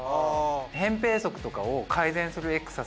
「扁平足とかを改善するエクササイズで」